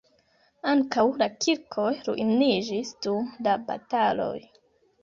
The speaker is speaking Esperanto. Ankaŭ la kirkoj ruiniĝis dum la bataloj.